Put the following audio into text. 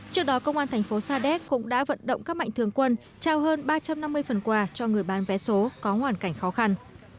trước đó công an thành phố sa đéc cũng đã vận động các mạnh thường quân trao hơn ba trăm năm mươi phần quà cho người bán vé số có hoàn cảnh khó khăn